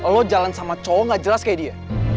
lo jalan sama cowok gak jelas kayak dia